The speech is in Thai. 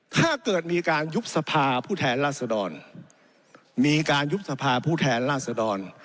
ถ้าเกิดมีการยุบสภาผู้แทนราษดรมีการยุบสภาผู้แทนราษดร